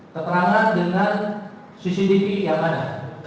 keterangan dengan cctv yang ada